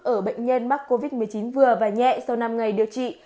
ở bệnh nhân mắc covid một mươi chín vừa và nhẹ sau năm ngày điều trị